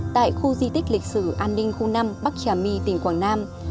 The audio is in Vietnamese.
tại khu di tích lịch sử an ninh khu năm bắc trà my tỉnh quảng nam